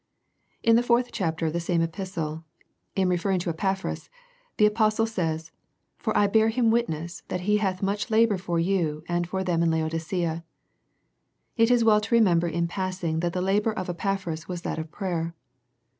In the fourth chapter of the same epistle, in referring to Epaphras, the apostle says, " For I bear him witness, that he hath much labour for you, and for them in Laodicea." It is well to remember in passing that the labour of Epaphras was that of prayer.